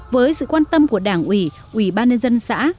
với sự quan tâm của đảng ủy ủy ban nhân dân xã